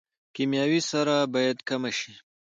کیمیاوي سره باید کمه شي